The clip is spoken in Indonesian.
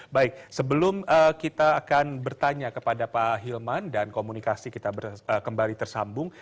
baik sebelum kita akan bertanya kepada pak hilman dan komunikasi kita kembali tersambung